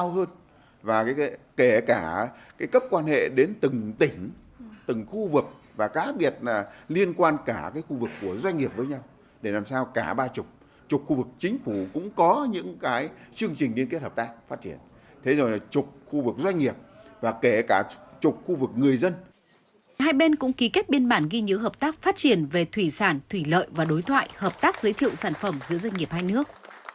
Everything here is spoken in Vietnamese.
hai bên cũng ký kết biên bản ghi nhớ hợp tác phát triển về thủy sản thủy lợi và đối thoại hợp tác giới thiệu sản phẩm giữa doanh nghiệp hai nước